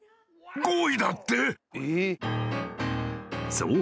［そう。